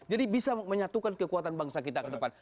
jadi bisa menyatukan kekuatan bangsa kita ke depan